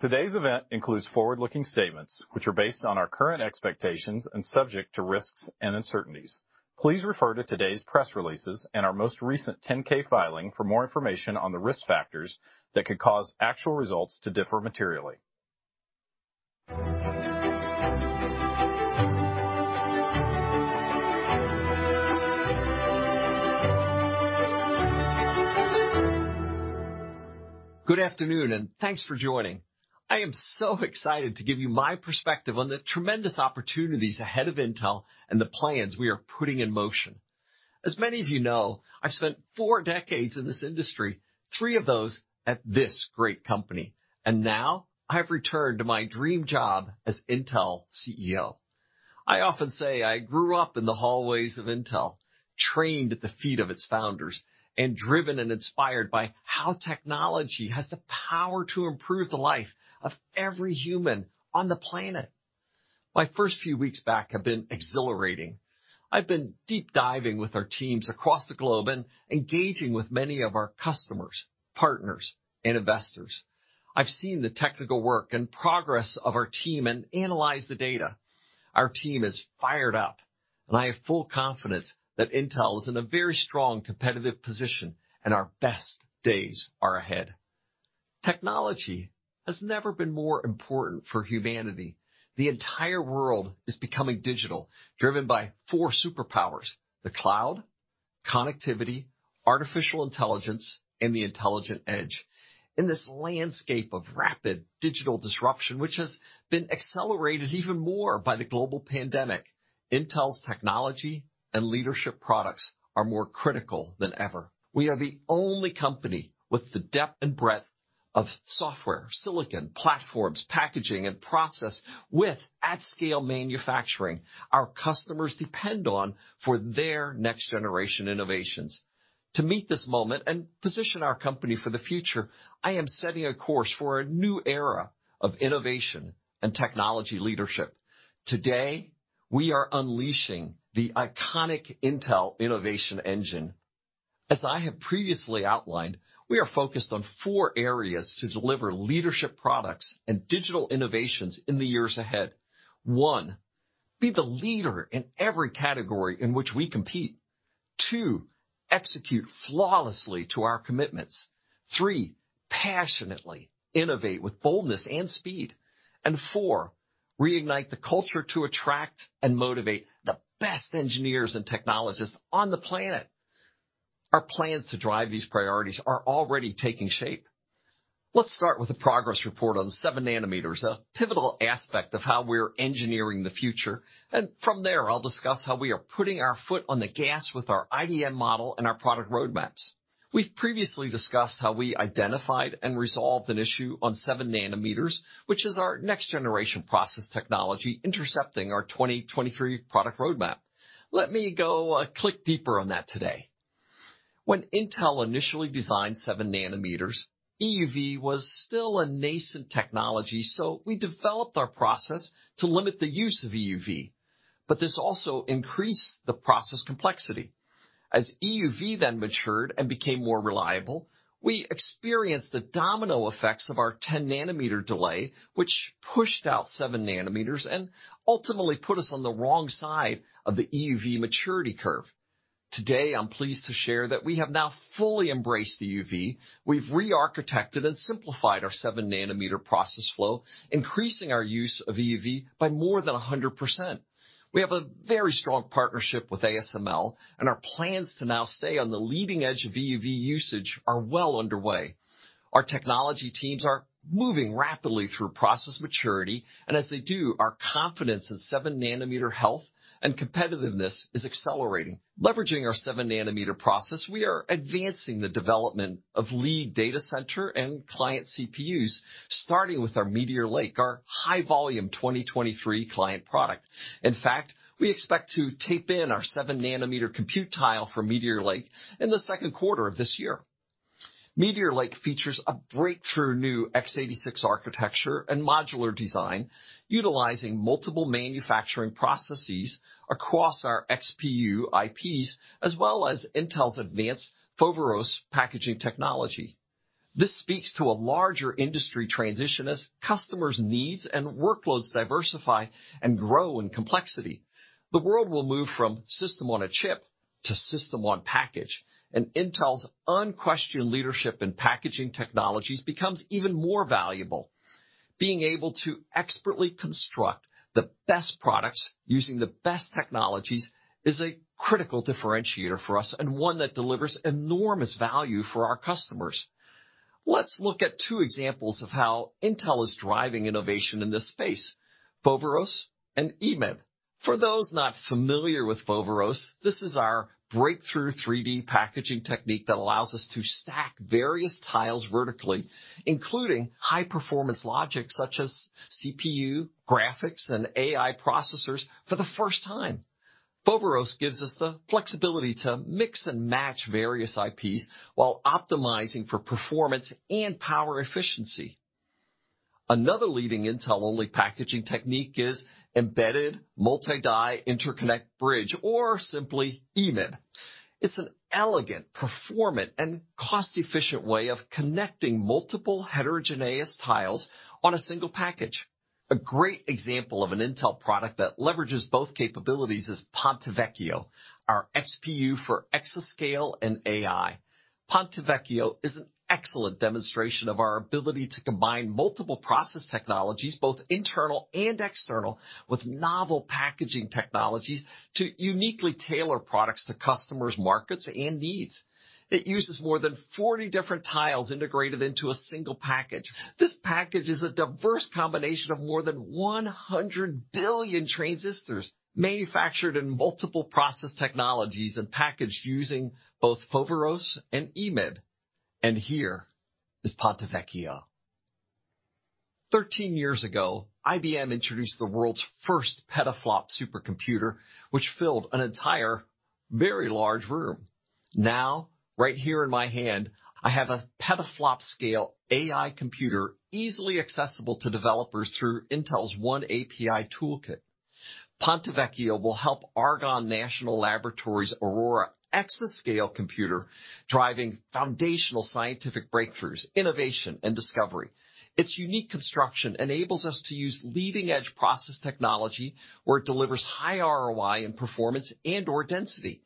Today's event includes forward-looking statements, which are based on our current expectations and subject to risks and uncertainties. Please refer to today's press releases and our most recent 10-K filing for more information on the risk factors that could cause actual results to differ materially. Good afternoon, and thanks for joining. I am so excited to give you my perspective on the tremendous opportunities ahead of Intel and the plans we are putting in motion. As many of you know, I've spent four decades in this industry, three of those at this great company, and now I've returned to my dream job as Intel CEO. I often say I grew up in the hallways of Intel, trained at the feet of its founders, and driven and inspired by how technology has the power to improve the life of every human on the planet. My first few weeks back have been exhilarating. I've been deep diving with our teams across the globe and engaging with many of our customers, partners, and investors. I've seen the technical work and progress of our team and analyzed the data. Our team is fired up. I have full confidence that Intel is in a very strong competitive position and our best days are ahead. Technology has never been more important for humanity. The entire world is becoming digital, driven by four superpowers the cloud, connectivity, artificial intelligence, and the intelligent edge. In this landscape of rapid digital disruption, which has been accelerated even more by the global pandemic, Intel's technology and leadership products are more critical than ever. We are the only company with the depth and breadth of software, silicon, platforms, packaging, and process with at-scale manufacturing our customers depend on for their next generation innovations. To meet this moment and position our company for the future, I am setting a course for a new era of innovation and technology leadership. Today, we are unleashing the iconic Intel Innovation Engine. As I have previously outlined, we are focused on four areas to deliver leadership products and digital innovations in the years ahead. One, be the leader in every category in which we compete. Two, execute flawlessly to our commitments. Three, passionately innovate with boldness and speed. Four, reignite the culture to attract and motivate the best engineers and technologists on the planet. Our plans to drive these priorities are already taking shape. Let's start with a progress report on seven nanometers, a pivotal aspect of how we're engineering the future. From there, I'll discuss how we are putting our foot on the gas with our IDM model and our product roadmaps. We've previously discussed how we identified and resolved an issue on seven nanometers, which is our next-generation process technology intercepting our 2023 product roadmap. Let me go a click deeper on that today. When Intel initially designed seven nanometers, EUV was still a nascent technology, so we developed our process to limit the use of EUV, but this also increased the process complexity. As EUV then matured and became more reliable, we experienced the domino effects of our 10-nanometer delay, which pushed out seven nanometers and ultimately put us on the wrong side of the EUV maturity curve. Today, I'm pleased to share that we have now fully embraced EUV. We've rearchitected and simplified our 7-nanometer process flow, increasing our use of EUV by more than 100%. We have a very strong partnership with ASML, and our plans to now stay on the leading edge of EUV usage are well underway. Our technology teams are moving rapidly through process maturity, and as they do, our confidence in 7-nanometer health and competitiveness is accelerating. Leveraging our 7-nanometer process, we are advancing the development of lead data center and client CPUs, starting with our Meteor Lake, our high-volume 2023 client product. In fact, we expect to tape in our 7-nanometer compute tile for Meteor Lake in the second quarter of this year. Meteor Lake features a breakthrough new x86 architecture and modular design utilizing multiple manufacturing processes across our XPU IPs, as well as Intel's advanced Foveros packaging technology. This speaks to a larger industry transition as customers' needs and workloads diversify and grow in complexity. The world will move from system on a chip to system on package; Intel's unquestioned leadership in packaging technologies becomes even more valuable. Being able to expertly construct the best products using the best technologies is a critical differentiator for us and one that delivers enormous value for our customers. Let's look at two examples of how Intel is driving innovation in this space, Foveros and EMIB. For those not familiar with Foveros, this is our breakthrough 3D packaging technique that allows us to stack various tiles vertically, including high-performance logic such as CPU, graphics, and AI processors for the first time. Foveros gives us the flexibility to mix and match various IPs while optimizing for performance and power efficiency. Another leading Intel-only packaging technique is embedded multi-die interconnect bridge, or simply EMIB. It's an elegant, performant, and cost-efficient way of connecting multiple heterogeneous tiles on a single package. A great example of an Intel product that leverages both capabilities is Ponte Vecchio, our XPU for exascale and AI. Ponte Vecchio is an excellent demonstration of our ability to combine multiple process technologies, both internal and external, with novel packaging technologies to uniquely tailor products to customers' markets and needs. It uses more than 40 different tiles integrated into a single package. This package is a diverse combination of more than 100 billion transistors manufactured in multiple process technologies and packaged using both Foveros and EMIB. Here is Ponte Vecchio. 13 years ago, IBM introduced the world's first petaflop supercomputer, which filled an entire very large room. Now, right here in my hand, I have a petaflop-scale AI computer easily accessible to developers through Intel's oneAPI toolkit. Ponte Vecchio will help Argonne National Laboratory's Aurora exascale computer driving foundational scientific breakthroughs, innovation, and discovery. Its unique construction enables us to use leading-edge process technology where it delivers high ROI in performance and/or density.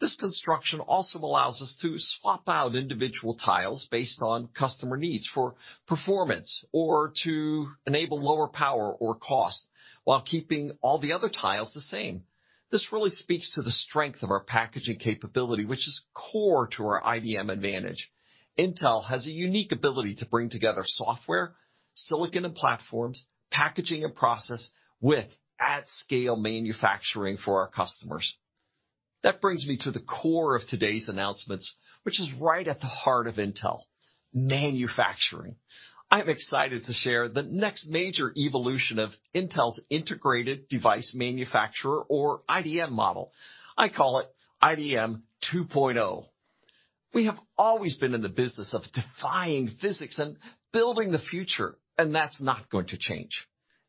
This construction also allows us to swap out individual tiles based on customer needs for performance or to enable lower power or cost while keeping all the other tiles the same. This really speaks to the strength of our packaging capability, which is core to our IDM advantage. Intel has a unique ability to bring together software, silicon and platforms, packaging and process with at-scale manufacturing for our customers. That brings me to the core of today's announcements, which is right at the heart of Intel, manufacturing. I'm excited to share the next major evolution of Intel's integrated device manufacturer, or IDM model. I call it IDM 2.0. We have always been in the business of defying physics and building the future, and that's not going to change.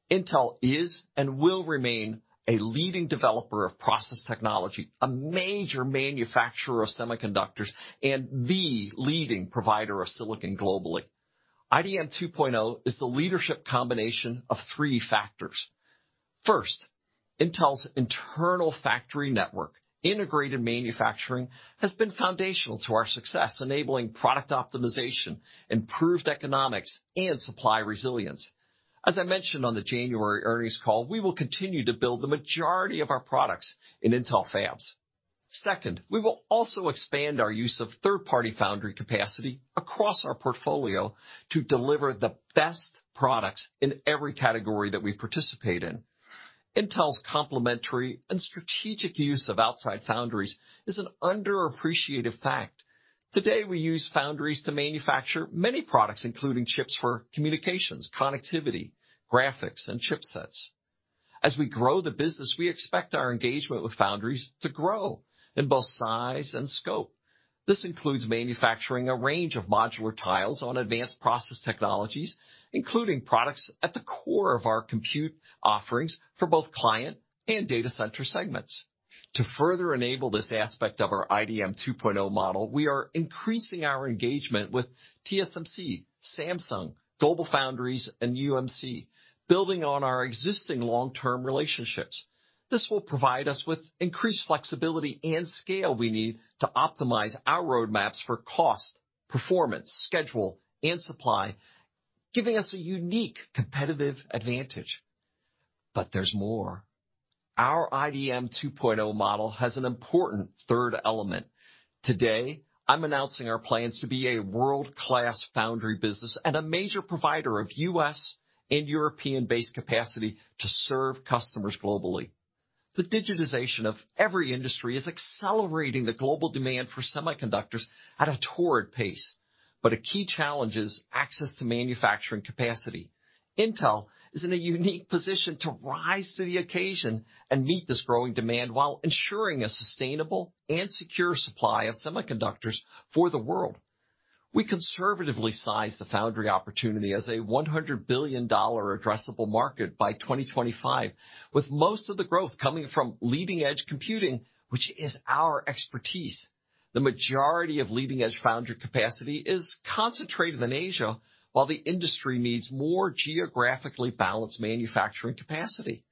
Intel is and will remain a leading developer of process technology, a major manufacturer of semiconductors, and the leading provider of silicon globally. IDM 2.0 is the leadership combination of three factors. First, Intel's internal factory network, integrated manufacturing, has been foundational to our success, enabling product optimization, improved economics, and supply resilience. As I mentioned on the January earnings call, we will continue to build the majority of our products in Intel fabs. Second, we will also expand our use of third-party foundry capacity across our portfolio to deliver the best products in every category that we participate in. Intel's complementary and strategic use of outside foundries is an underappreciated fact. Today, we use foundries to manufacture many products, including chips for communications, connectivity, graphics, and chipsets. As we grow the business, we expect our engagement with foundries to grow in both size and scope. This includes manufacturing a range of modular tiles on advanced process technologies, including products at the core of our compute offerings for both client and data center segments. To further enable this aspect of our IDM 2.0 model, we are increasing our engagement with TSMC, Samsung, GlobalFoundries, and UMC, building on our existing long-term relationships. This will provide us with increased flexibility and scale we need to optimize our roadmaps for cost, performance, schedule, and supply, giving us a unique competitive advantage. There's more. Our IDM 2.0 model has an important third element. Today, I'm announcing our plans to be a world-class foundry business and a major provider of U.S. and European-based capacity to serve customers globally. The digitization of every industry is accelerating the global demand for semiconductors at a torrid pace. A key challenge is access to manufacturing capacity. Intel is in a unique position to rise to the occasion and meet this growing demand while ensuring a sustainable and secure supply of semiconductors for the world. We conservatively size the foundry opportunity as a $100 billion addressable market by 2025, with most of the growth coming from leading-edge computing, which is our expertise. The majority of leading-edge foundry capacity is concentrated in Asia, while the industry needs more geographically balanced manufacturing capacity.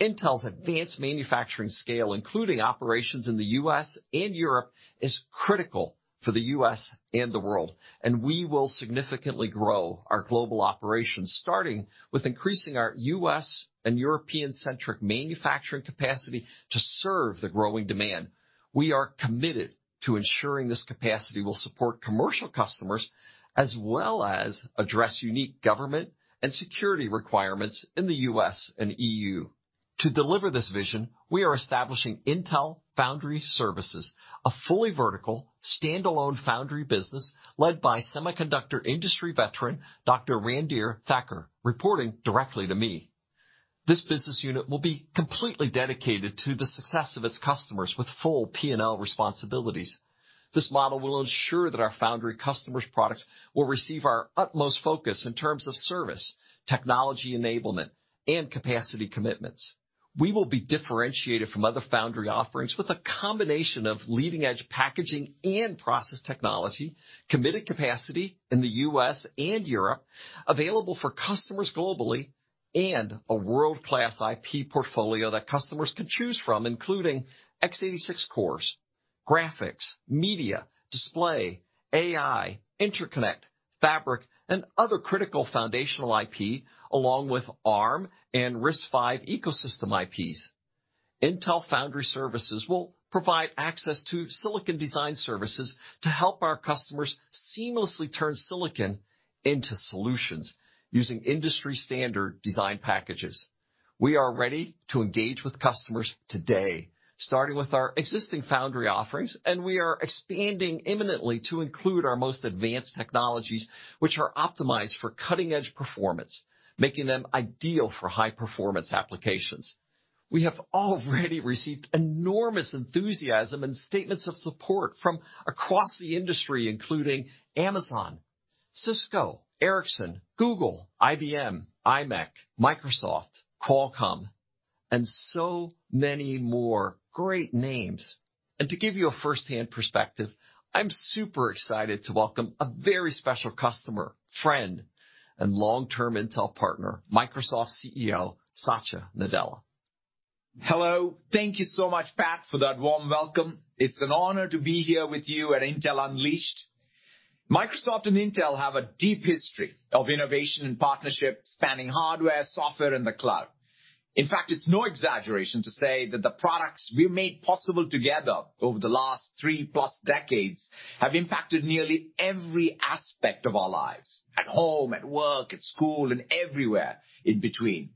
Intel's advanced manufacturing scale, including operations in the U.S. and Europe, is critical for the U.S. and the world, and we will significantly grow our global operations, starting with increasing our U.S. and European-centric manufacturing capacity to serve the growing demand. We are committed to ensuring this capacity will support commercial customers, as well as address unique government and security requirements in the U.S. and EU. To deliver this vision, we are establishing Intel Foundry Services, a fully vertical, standalone foundry business led by semiconductor industry veteran Dr. Randhir Thakur, reporting directly to me. This business unit will be completely dedicated to the success of its customers with full P&L responsibilities. This model will ensure that our foundry customers' products will receive our utmost focus in terms of service, technology enablement, and capacity commitments. We will be differentiated from other foundry offerings with a combination of leading-edge packaging and process technology, committed capacity in the U.S. and Europe available for customers globally, and a world-class IP portfolio that customers can choose from, including x86 cores, graphics, media, display, AI, interconnect, fabric, and other critical foundational IP, along with Arm and RISC-V ecosystem IPs. Intel Foundry Services will provide access to silicon design services to help our customers seamlessly turn silicon into solutions using industry-standard design packages. We are ready to engage with customers today, starting with our existing foundry offerings, and we are expanding imminently to include our most advanced technologies, which are optimized for cutting-edge performance, making them ideal for high-performance applications. We have already received enormous enthusiasm and statements of support from across the industry, including Amazon, Cisco, Ericsson, Google, IBM, imec, Microsoft, Qualcomm, and so many more great names. To give you a first-hand perspective, I'm super excited to welcome a very special customer, friend, and long-term Intel partner, Microsoft CEO Satya Nadella. Hello. Thank you so much, Pat, for that warm welcome. It's an honor to be here with you at Intel Unleashed. Microsoft and Intel have a deep history of innovation and partnership spanning hardware, software, and the cloud. In fact, it's no exaggeration to say that the products we made possible together over the last 3+ decades have impacted nearly every aspect of our lives, at home, at work, at school, and everywhere in between.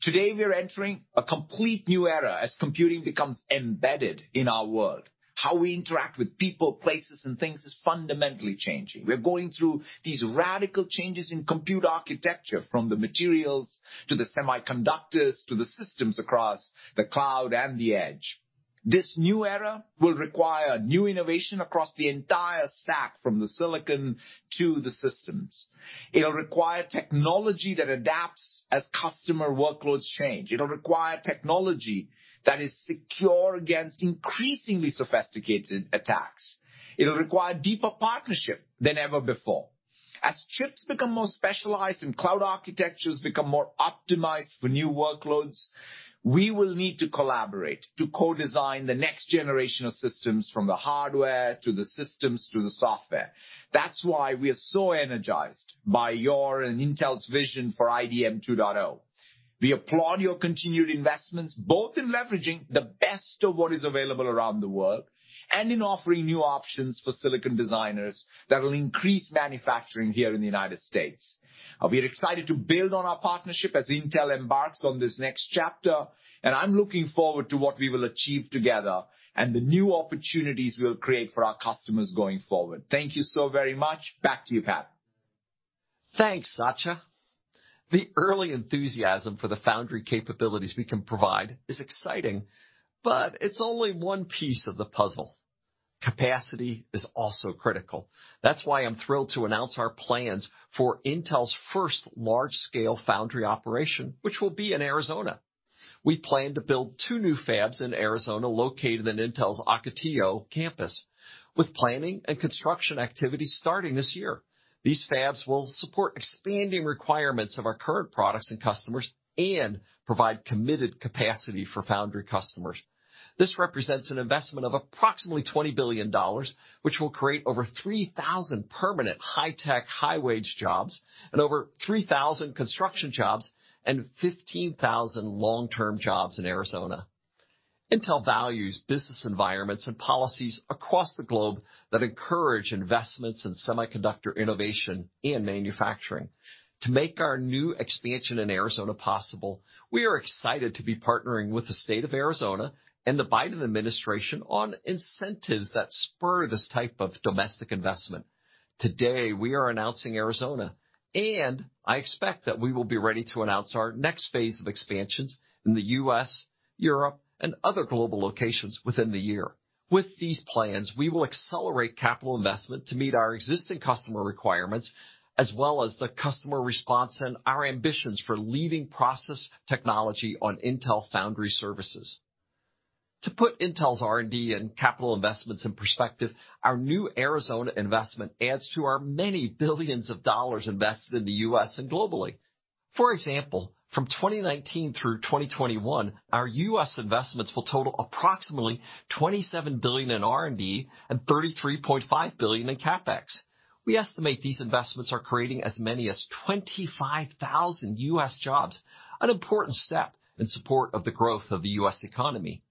Today, we're entering a complete new era as computing becomes embedded in our world. How we interact with people, places, and things is fundamentally changing. We're going through these radical changes in compute architecture, from the materials to the semiconductors to the systems across the cloud and the edge. This new era will require new innovation across the entire stack, from the silicon to the systems. It'll require technology that adapts as customer workloads change. It'll require technology that is secure against increasingly sophisticated attacks. It'll require deeper partnership than ever before. As chips become more specialized and cloud architectures become more optimized for new workloads, we will need to collaborate to co-design the next generation of systems, from the hardware to the systems to the software. That's why we are so energized by your and Intel's vision for IDM 2.0. We applaud your continued investments, both in leveraging the best of what is available around the world and in offering new options for silicon designers that will increase manufacturing here in the United States. We are excited to build on our partnership as Intel embarks on this next chapter, and I'm looking forward to what we will achieve together and the new opportunities we'll create for our customers going forward. Thank you so very much. Back to you, Pat. Thanks, Satya. The early enthusiasm for the foundry capabilities we can provide is exciting, it's only one piece of the puzzle. Capacity is also critical. That's why I'm thrilled to announce our plans for Intel's first large-scale foundry operation, which will be in Arizona. We plan to build two new fabs in Arizona, located in Intel's Ocotillo campus, with planning and construction activities starting this year. These fabs will support expanding requirements of our current products and customers and provide committed capacity for foundry customers. This represents an investment of approximately $20 billion, which will create over 3,000 permanent high-tech, high-wage jobs and over 3,000 construction jobs and 15,000 long-term jobs in Arizona. Intel values business environments and policies across the globe that encourage investments in semiconductor innovation and manufacturing. To make our new expansion in Arizona possible, we are excited to be partnering with the State of Arizona and the Biden administration on incentives that spur this type of domestic investment. Today, we are announcing Arizona, and I expect that we will be ready to announce our next phase of expansions in the U.S., Europe, and other global locations within the year. With these plans, we will accelerate capital investment to meet our existing customer requirements, as well as the customer response and our ambitions for leading process technology on Intel Foundry Services. To put Intel's R&D and capital investments in perspective, our new Arizona investment adds to our many billions of dollars invested in the U.S. and globally. For example, from 2019 through 2021, our U.S. investments will total approximately $27 billion in R&D and $33.5 billion in CapEx. We estimate these investments are creating as many as 25,000 U.S. jobs, an important step in support of the growth of the U.S. economy.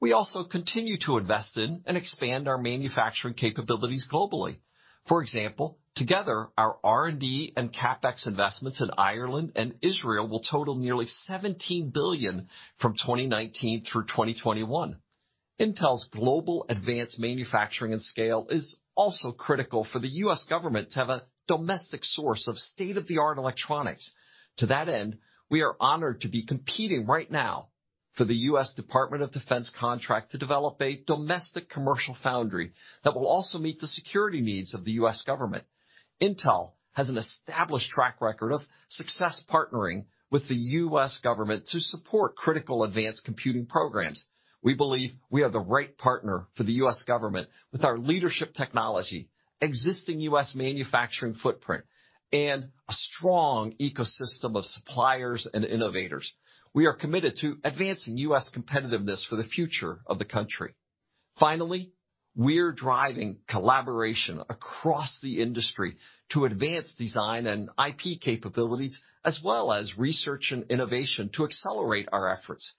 We also continue to invest in and expand our manufacturing capabilities globally. For example, together, our R&D and CapEx investments in Ireland and Israel will total nearly $17 billion from 2019 through 2021. Intel's global advanced manufacturing and scale is also critical for the U.S. government to have a domestic source of state-of-the-art electronics. To that end, we are honored to be competing right now for the US Department of Defense contract to develop a domestic commercial foundry that will also meet the security needs of the U.S. government. Intel has an established track record of success partnering with the U.S. government to support critical advanced computing programs. We believe we are the right partner for the U.S. government with our leadership technology, existing U.S. manufacturing footprint, and a strong ecosystem of suppliers and innovators. We are committed to advancing U.S. competitiveness for the future of the country. Finally, we're driving collaboration across the industry to advance design and IP capabilities, as well as research and innovation to accelerate our efforts.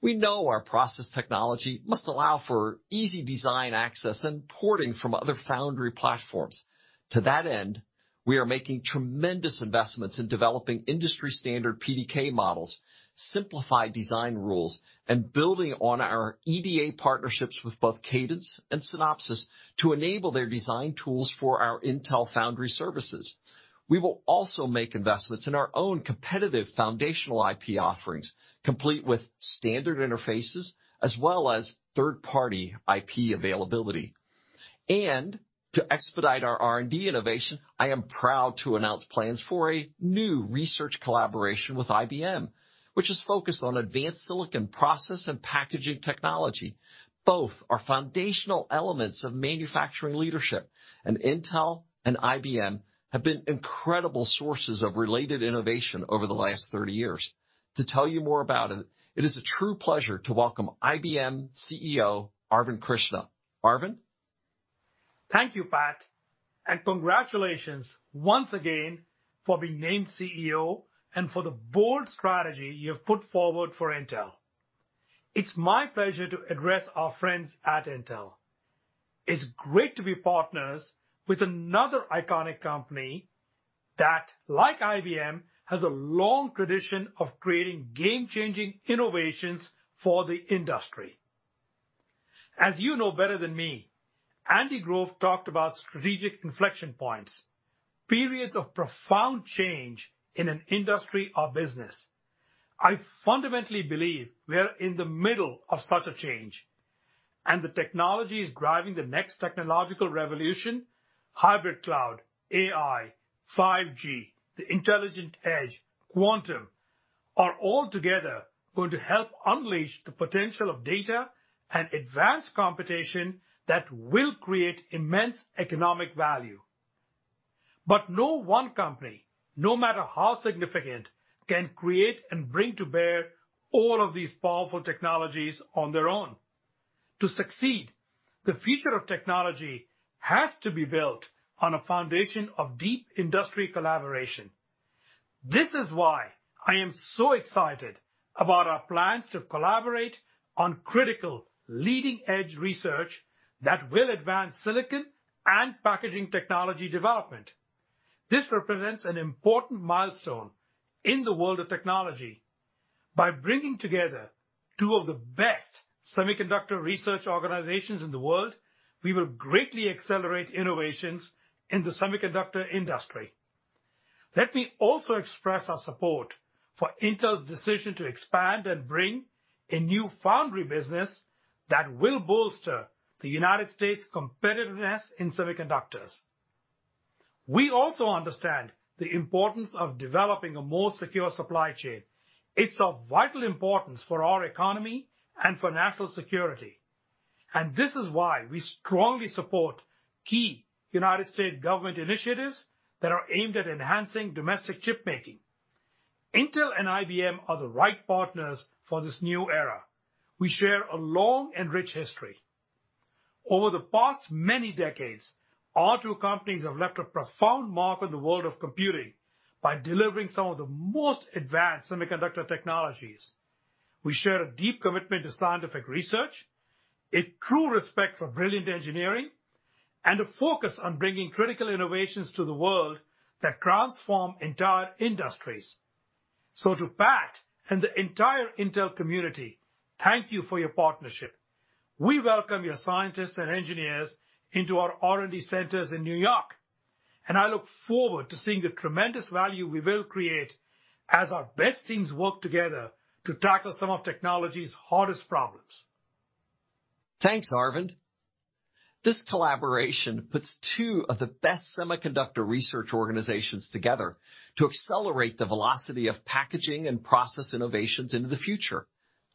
We know our process technology must allow for easy design access and porting from other foundry platforms. To that end, we are making tremendous investments in developing industry-standard PDK models, simplified design rules, and building on our EDA partnerships with both Cadence and Synopsys to enable their design tools for our Intel Foundry Services. We will also make investments in our own competitive foundational IP offerings, complete with standard interfaces as well as third-party IP availability. To expedite our R&D innovation, I am proud to announce plans for a new research collaboration with IBM, which is focused on advanced silicon process and packaging technology. Both are foundational elements of manufacturing leadership. Intel and IBM have been incredible sources of related innovation over the last 30 years. To tell you more about it is a true pleasure to welcome IBM CEO, Arvind Krishna. Arvind? Thank you, Pat, and congratulations once again for being named CEO and for the bold strategy you have put forward for Intel. It's my pleasure to address our friends at Intel. It's great to be partners with another iconic company that, like IBM, has a long tradition of creating game-changing innovations for the industry. As you know better than me, Andy Grove talked about strategic inflection points, periods of profound change in an industry or business. I fundamentally believe we're in the middle of such a change. The technology is driving the next technological revolution. Hybrid cloud, AI, 5G, the intelligent edge, quantum are all together going to help unleash the potential of data and advanced computation that will create immense economic value. No one company, no matter how significant, can create and bring to bear all of these powerful technologies on their own. To succeed, the future of technology has to be built on a foundation of deep industry collaboration. This is why I am so excited about our plans to collaborate on critical, leading-edge research that will advance silicon and packaging technology development. This represents an important milestone in the world of technology. By bringing together two of the best semiconductor research organizations in the world, we will greatly accelerate innovations in the semiconductor industry. Let me also express our support for Intel's decision to expand and bring a new foundry business that will bolster the United States' competitiveness in semiconductors. We also understand the importance of developing a more secure supply chain. It's of vital importance for our economy and for national security. This is why we strongly support key United States government initiatives that are aimed at enhancing domestic chip-making. Intel and IBM are the right partners for this new era. We share a long and rich history. Over the past many decades, our two companies have left a profound mark on the world of computing by delivering some of the most advanced semiconductor technologies. We share a deep commitment to scientific research, a true respect for brilliant engineering, and a focus on bringing critical innovations to the world that transform entire industries. To Pat and the entire Intel community, thank you for your partnership. We welcome your scientists and engineers into our R&D centers in New York, and I look forward to seeing the tremendous value we will create as our best teams work together to tackle some of technology's hardest problems. Thanks, Arvind. This collaboration puts two of the best semiconductor research organizations together to accelerate the velocity of packaging and process innovations into the future.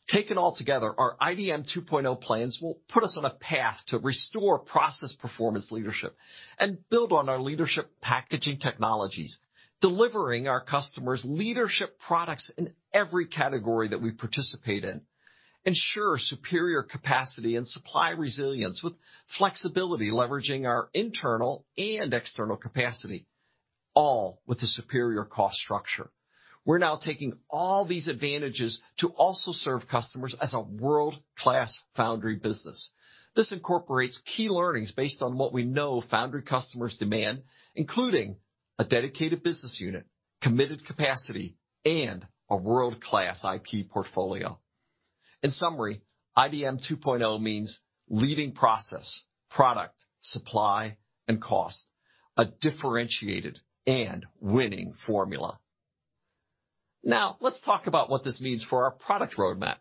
Taken all together, our IDM 2.0 plans will put us on a path to restore process performance leadership and build on our leadership packaging technologies, delivering our customers leadership products in every category that we participate in, ensure superior capacity and supply resilience with flexibility, leveraging our internal and external capacity, all with a superior cost structure. We're now taking all these advantages to also serve customers as a world-class foundry business. This incorporates key learnings based on what we know foundry customers demand, including a dedicated business unit, committed capacity, and a world-class IP portfolio. In summary, IDM 2.0 means leading process, product, supply, and cost. A differentiated and winning formula. Let's talk about what this means for our product roadmap.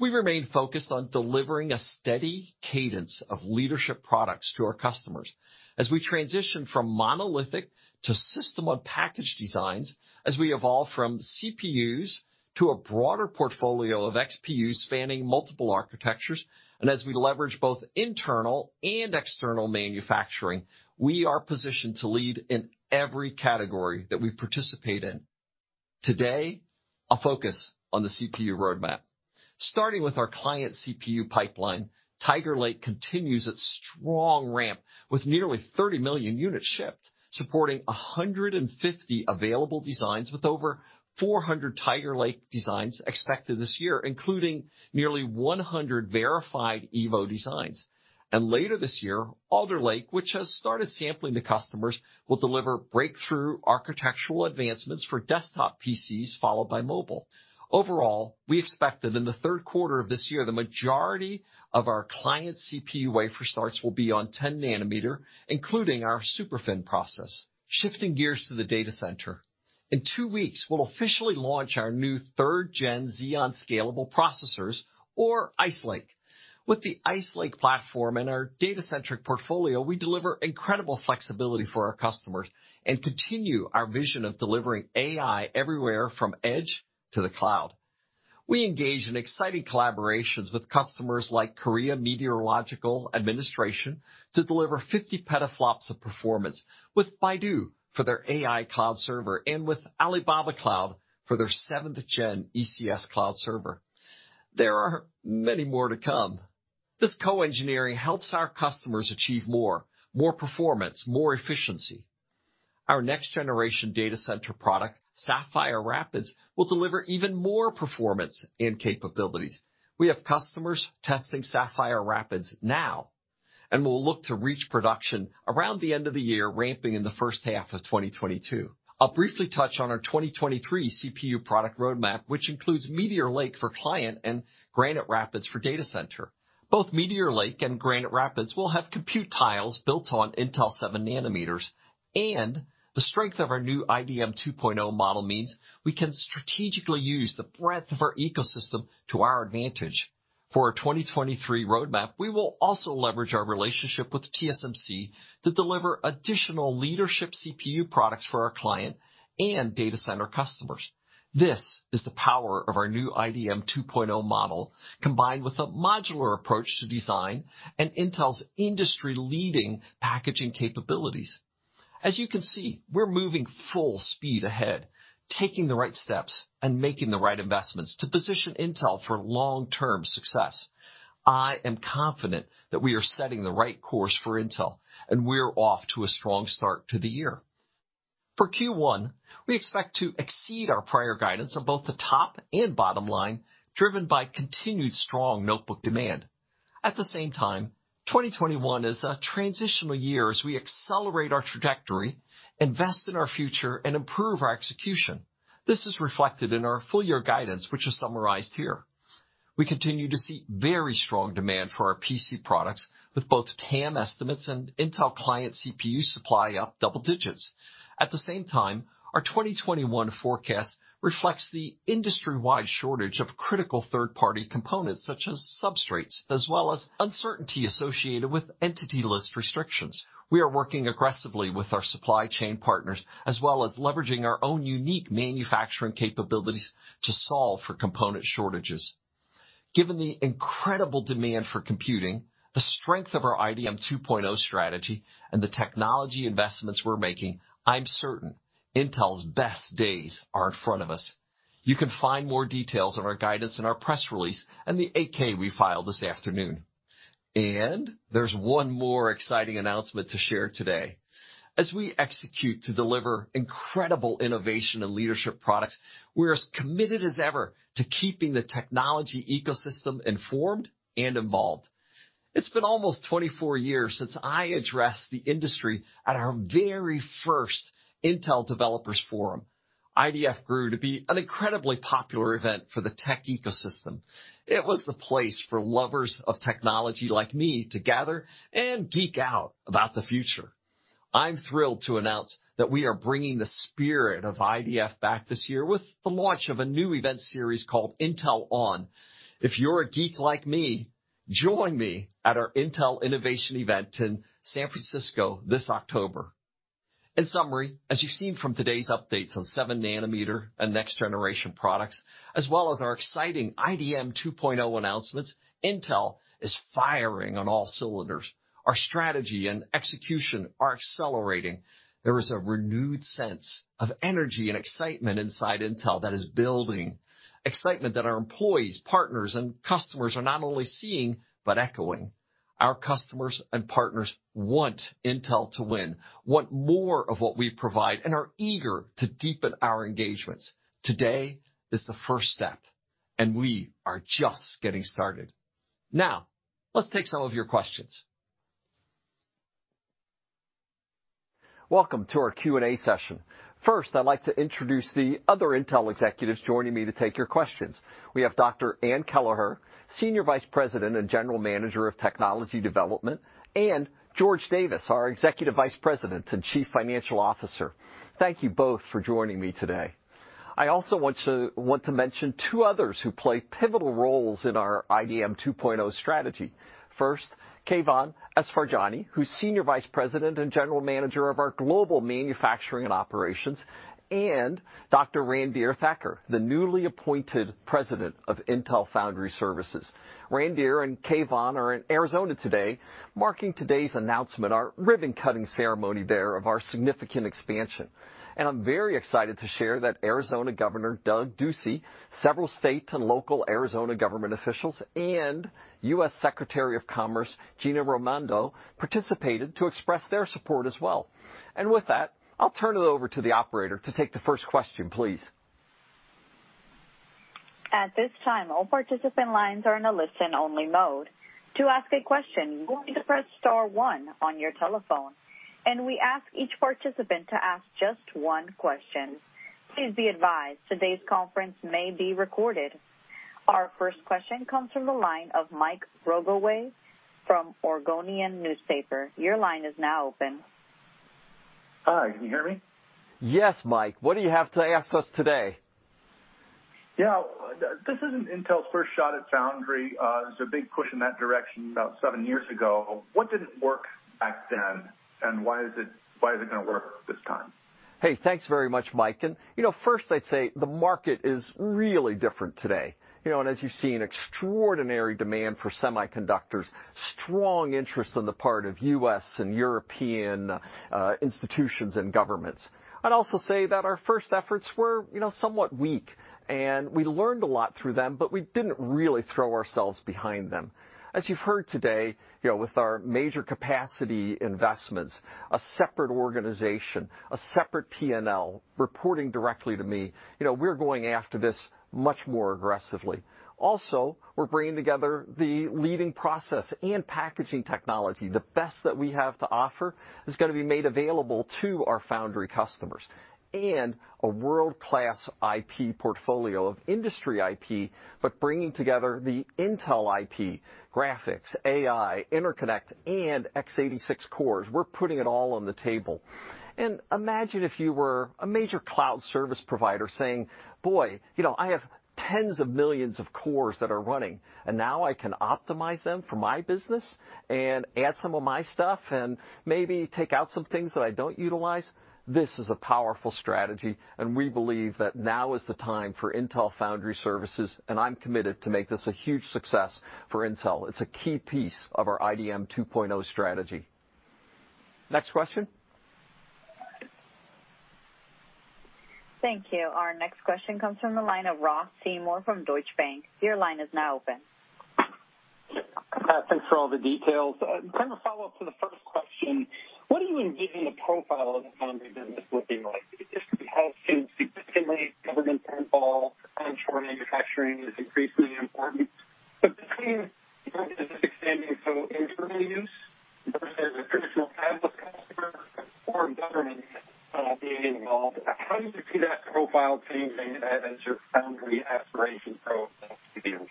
We remain focused on delivering a steady cadence of leadership products to our customers as we transition from monolithic to system-on-package designs, as we evolve from CPUs to a broader portfolio of XPUs spanning multiple architectures, as we leverage both internal and external manufacturing, we are positioned to lead in every category that we participate in. Today, I'll focus on the CPU roadmap. Starting with our client CPU pipeline, Tiger Lake continues its strong ramp with nearly 30 million units shipped, supporting 150 available designs with over 400 Tiger Lake designs expected this year, including nearly 100 verified Evo designs. Later this year, Alder Lake, which has started sampling to customers, will deliver breakthrough architectural advancements for desktop PCs, followed by mobile. Overall, we expect that in the third quarter of this year, the majority of our client CPU wafer starts will be on 10 nanometer, including our SuperFin process. Shifting gears to the data center. In two weeks, we'll officially launch our new 3rd-gen Xeon scalable processors, or Ice Lake. With the Ice Lake platform and our data centric portfolio, we deliver incredible flexibility for our customers and continue our vision of delivering AI everywhere from edge to the cloud. We engage in exciting collaborations with customers like Korea Meteorological Administration to deliver 50 petaflops of performance with Baidu for their AI cloud server and with Alibaba Cloud for their 7th-gen ECS cloud server. There are many more to come. This co-engineering helps our customers achieve more. More performance, more efficiency. Our next-generation data center product, Sapphire Rapids, will deliver even more performance and capabilities. We have customers testing Sapphire Rapids now, and we'll look to reach production around the end of the year, ramping in the first half of 2022. I'll briefly touch on our 2023 CPU product roadmap, which includes Meteor Lake for client and Granite Rapids for data center. Both Meteor Lake and Granite Rapids will have compute tiles built on Intel 7 nanometers, and the strength of our new IDM 2.0 model means we can strategically use the breadth of our ecosystem to our advantage. For our 2023 roadmap, we will also leverage our relationship with TSMC to deliver additional leadership CPU products for our client and data center customers. This is the power of our new IDM 2.0 model, combined with a modular approach to design and Intel's industry-leading packaging capabilities. As you can see, we're moving full speed ahead, taking the right steps, and making the right investments to position Intel for long-term success. I am confident that we are setting the right course for Intel, and we're off to a strong start to the year. For Q1, we expect to exceed our prior guidance on both the top and bottom line, driven by continued strong notebook demand. At the same time, 2021 is a transitional year as we accelerate our trajectory, invest in our future, and improve our execution. This is reflected in our full-year guidance, which is summarized here. We continue to see very strong demand for our PC products, with both TAM estimates and Intel client CPU supply up double digits. At the same time, our 2021 forecast reflects the industry-wide shortage of critical third-party components such as substrates, as well as uncertainty associated with entity list restrictions. We are working aggressively with our supply chain partners, as well as leveraging our own unique manufacturing capabilities to solve for component shortages. Given the incredible demand for computing, the strength of our IDM 2.0 strategy, and the technology investments we're making, I'm certain Intel's best days are in front of us. You can find more details on our guidance in our press release and the 8-K we filed this afternoon. There's one more exciting announcement to share today. As we execute to deliver incredible innovation and leadership products, we're as committed as ever to keeping the technology ecosystem informed and involved. It's been almost 24 years since I addressed the industry at our very first Intel Developer Forum. IDF grew to be an incredibly popular event for the tech ecosystem. It was the place for lovers of technology like me to gather and geek out about the future. I'm thrilled to announce that we are bringing the spirit of IDF back this year with the launch of a new event series called Intel ON. If you're a geek like me, join me at our Intel Innovation event in San Francisco this October. In summary, as you've seen from today's updates on 7-nanometer and next-generation products, as well as our exciting IDM 2.0 announcements, Intel is firing on all cylinders. Our strategy and execution are accelerating. There is a renewed sense of energy and excitement inside Intel that is building. Excitement that our employees, partners, and customers are not only seeing but echoing. Our customers and partners want Intel to win, want more of what we provide, and are eager to deepen our engagements. Today is the first step, and we are just getting started. Now, let's take some of your questions. Welcome to our Q&A session. I'd like to introduce the other Intel executives joining me to take your questions. We have Dr. Ann Kelleher, Senior Vice President and General Manager of Technology Development, and George Davis, our Executive Vice President and Chief Financial Officer. Thank you both for joining me today. I also want to mention two others who play pivotal roles in our IDM 2.0 strategy. Keyvan Esfarjani, who's Senior Vice President and General Manager of our Global Manufacturing and Operations, and Dr. Randhir Thakur, the newly appointed President of Intel Foundry Services. Randhir and Keyvan are in Arizona today, marking today's announcement, our ribbon-cutting ceremony there of our significant expansion. I'm very excited to share that Arizona Governor Doug Ducey, several state and local Arizona government officials, and U.S. Secretary of Commerce, Gina Raimondo participated to express their support as well. With that, I'll turn it over to the operator to take the first question, please. At this time, all participant lines are in a listen-only mode. To ask a question, you will need to press star one on your telephone. We ask each participant to ask just one question. Please be advised, today's conference may be recorded. Our first question comes from the line of Mike Rogoway from The Oregonian. Your line is now open. Hi, can you hear me? Yes, Mike. What do you have to ask us today? Yeah. This isn't Intel's first shot at Foundry. There was a big push in that direction about seven years ago. What didn't work back then, and why is it going to work this time? Hey, thanks very much, Mike. First, I'd say the market is really different today. As you've seen, extraordinary demand for semiconductors, strong interest on the part of U.S. and European institutions and governments. I'd also say that our first efforts were somewhat weak and we learned a lot through them, but we didn't really throw ourselves behind them. As you've heard today, with our major capacity investments, a separate organization, a separate P&L reporting directly to me. We're going after this much more aggressively. We're bringing together the leading process and packaging technology. The best that we have to offer is going to be made available to our foundry customers. A world-class IP portfolio of industry IP, but bringing together the Intel IP graphics, AI, interconnect, and x86 cores. We're putting it all on the table. Imagine if you were a major cloud service provider saying, "Boy, I have tens of millions of cores that are running, and now I can optimize them for my business and add some of my stuff and maybe take out some things that I don't utilize." This is a powerful strategy, and we believe that now is the time for Intel Foundry Services, and I'm committed to make this a huge success for Intel. It's a key piece of our IDM 2.0 strategy. Next question. Thank you. Our next question comes from the line of Ross Seymore from Deutsche Bank. Your line is now open. Thanks for all the details. Kind of a follow-up to the first question. What do you envision the profile of the foundry business looking like? This could have been significantly government involved; onshore manufacturing is increasingly important, but this means both is expanding for internal use versus a traditional public customer or government being involved. How do you see that profile changing as your foundry aspirations grow over the years?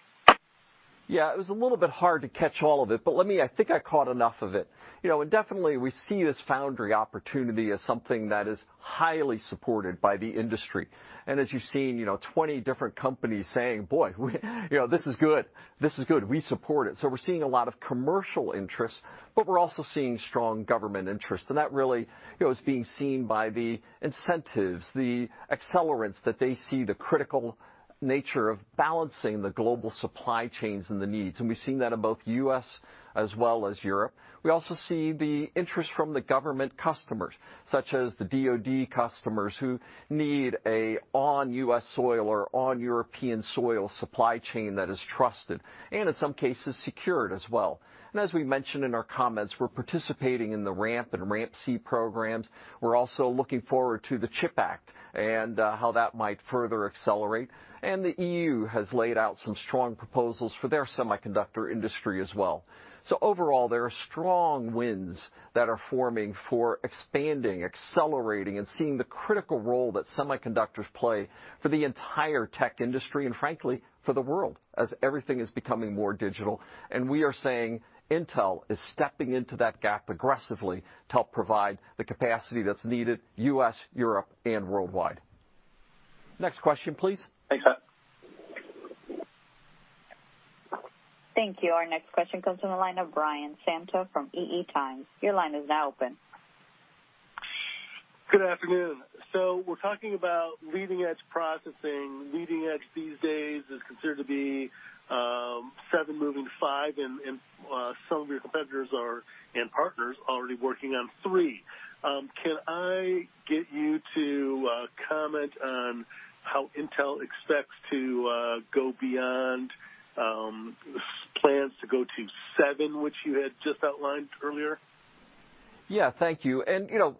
Yeah, it was a little bit hard to catch all of it, but I think I caught enough of it. Definitely, we see this foundry opportunity as something that is highly supported by the industry. As you've seen, 20 different companies saying, "Boy, this is good. We support it." We're seeing a lot of commercial interest, but we're also seeing strong government interest, and that really is being seen by the incentives, the accelerants that they see the critical nature of balancing the global supply chains and the needs. We've seen that in both U.S. as well as Europe. We also see the interest from the government customers, such as the DoD customers who need an on U.S. soil or on European soil supply chain that is trusted, and in some cases secured as well. As we mentioned in our comments, we're participating in the RAMP and RAMP-C programs. We're also looking forward to the CHIPS Act and how that might further accelerate. The EU has laid out some strong proposals for their semiconductor industry as well. Overall, there are strong winds that are forming for expanding, accelerating, and seeing the critical role that semiconductors play for the entire tech industry and frankly, for the world, as everything is becoming more digital. We are saying Intel is stepping into that gap aggressively to help provide the capacity that's needed U.S., Europe, and worldwide. Next question, please. Thanks. Thank you. Our next question comes from the line of Brian Santo from EE Times. Your line is now open. Good afternoon. We're talking about leading-edge processing. Leading edge these days is considered to be seven, moving to five, and some of your competitors and partners are already working on three. Can I get you to comment on how Intel expects to go beyond plans to go to seven, which you had just outlined earlier? Yeah. Thank you.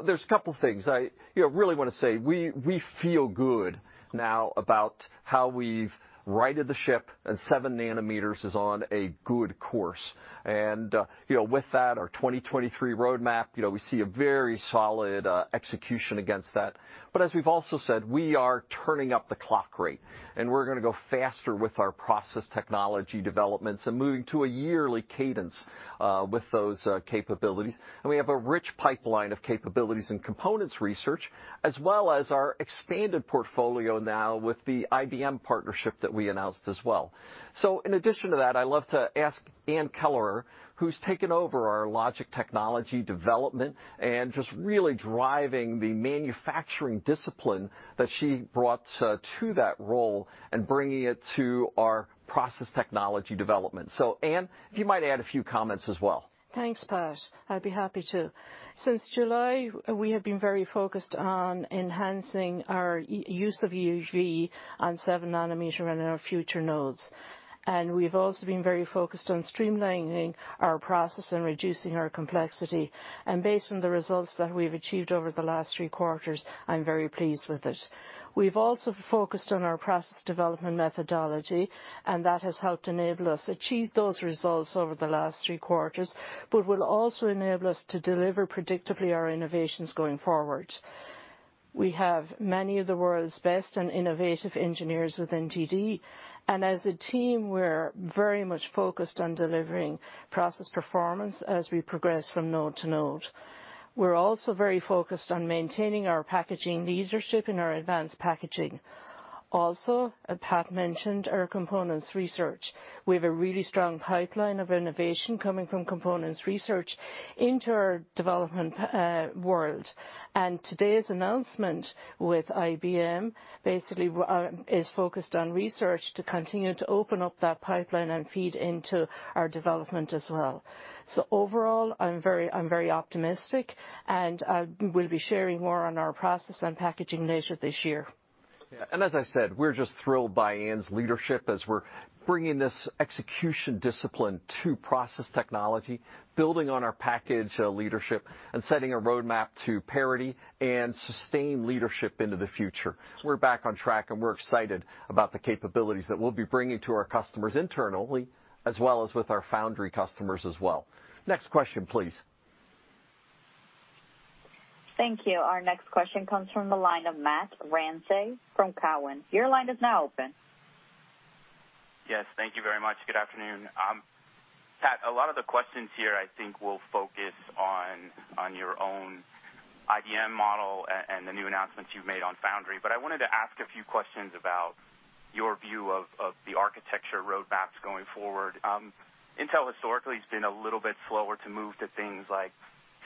There's a couple things I really want to say. We feel good now about how we've righted the ship. 7 nanometers is on a good course. With that, our 2023 roadmap, we see a very solid execution against that. As we've also said, we are turning up the clock rate. We're going to go faster with our process technology developments and moving to a yearly cadence with those capabilities. We have a rich pipeline of capabilities and components research, as well as our expanded portfolio, now with the IBM partnership that we announced as well. In addition to that, I'd love to ask Ann Kelleher, who's taken over our logic technology development and just really driving the manufacturing discipline that she brought to that role and bringing it to our process technology development. Ann, if you might add a few comments as well. Thanks, Pat. I'd be happy to. Since July, we have been very focused on enhancing our use of EUV on 7-nanometer and in our future nodes. We've also been very focused on streamlining our process and reducing our complexity. Based on the results that we've achieved over the last three quarters, I'm very pleased with it. We've also focused on our process development methodology, and that has helped enable us achieve those results over the last three quarters, but will also enable us to deliver predictably our innovations going forward. We have many of the world's best and innovative engineers within TD, and as a team, we're very much focused on delivering process performance as we progress from node to node. We're also very focused on maintaining our packaging leadership and our advanced packaging. Also, as Pat mentioned, our components research. We have a really strong pipeline of innovation coming from components research into our development world. Today's announcement with IBM basically is focused on research to continue to open up that pipeline and feed into our development as well. Overall, I'm very optimistic, and we'll be sharing more on our process and packaging later this year. Yeah. As I said, we're just thrilled by Ann's leadership as we're bringing this execution discipline to process technology, building on our package leadership, and setting a roadmap to parity and sustained leadership into the future. We're back on track, and we're excited about the capabilities that we'll be bringing to our customers internally, as well as with our foundry customers as well. Next question, please. Thank you. Our next question comes from the line of Matt Ramsay from Cowen. Your line is now open. Yes. Thank you very much. Good afternoon. Pat, a lot of the questions here, I think, will focus on your own IDM model and the new announcements you've made on Foundry. I wanted to ask a few questions about your view of the architecture roadmaps going forward. Intel historically has been a little bit slower to move to things like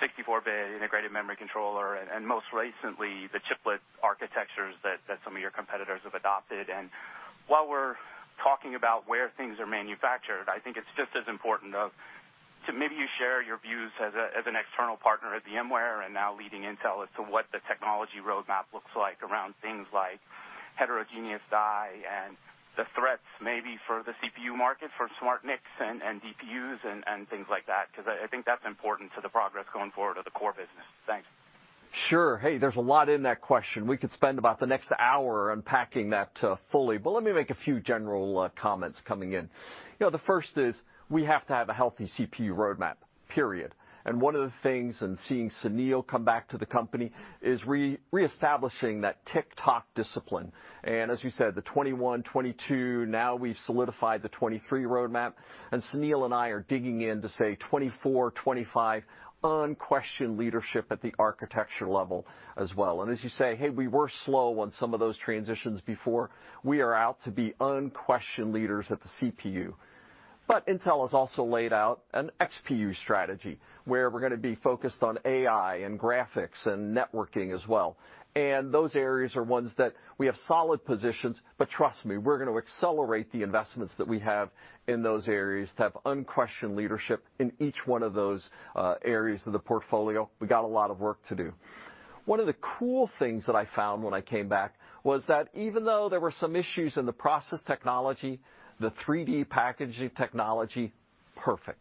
64-bit integrated memory controller and, most recently, the chiplet architectures that some of your competitors have adopted. While we're talking about where things are manufactured, I think it's just as important to maybe you share your views as an external partner at VMware and now leading Intel as to what the technology roadmap looks like around things like heterogeneous die and the threats maybe for the CPU market for SmartNICs and DPUs and things like that, because I think that's important to the progress going forward of the core business. Thanks. Sure. Hey, there's a lot in that question. We could spend about the next hour unpacking that fully. Let me make a few general comments coming in. The first is we have to have a healthy CPU roadmap, period. One of the things in seeing Sunil come back to the company is reestablishing that tick-tock discipline. As you said, the 2021, 2022, now we've solidified the 2023 roadmap, and Sunil and I are digging in to say 2024, 2025, unquestioned leadership at the architecture level as well. As you say, hey, we were slow on some of those transitions before. We are out to be unquestioned leaders at the CPU. Intel has also laid out an XPU strategy where we're going to be focused on AI and graphics, and networking as well. Those areas are ones that we have solid positions, but trust me, we're going to accelerate the investments that we have in those areas to have unquestioned leadership in each one of those areas of the portfolio. We got a lot of work to do. One of the cool things that I found when I came back was that even though there were some issues in the process technology, the 3D packaging technology, perfect.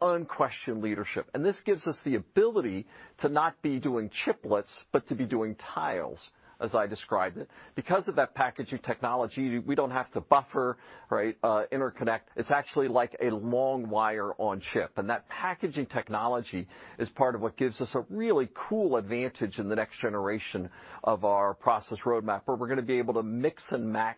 Unquestioned leadership. This gives us the ability to not be doing chiplets, but to be doing tiles, as I described it. Because of that packaging technology, we don't have to buffer, right, interconnect. It's actually like a long wire on chip; that packaging technology is part of what gives us a really cool advantage in the next generation of our process roadmap, where we're going to be able to mix and match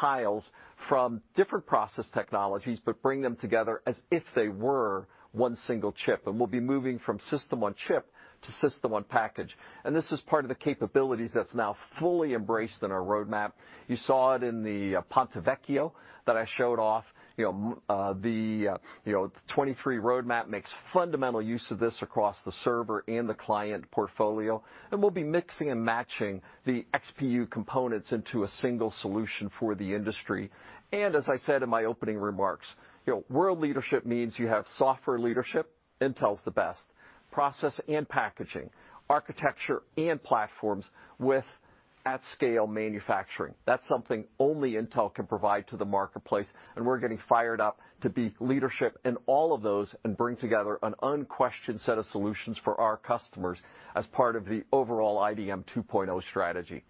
tiles from different process technologies, but bring them together as if they were one single chip. We'll be moving from system on chip to system on package. This is part of the capabilities that's now fully embraced in our roadmap. You saw it in the Ponte Vecchio that I showed off. The 2023 roadmap makes fundamental use of this across the server and the client portfolio, and we'll be mixing and matching the XPU components into a single solution for the industry. As I said in my opening remarks, world leadership means you have software leadership, Intel's the best, process and packaging, architecture and platforms with at-scale manufacturing. That's something only Intel can provide to the marketplace, and we're getting fired up to be leadership in all of those and bring together an unquestioned set of solutions for our customers as part of the overall IDM 2.0 strategy.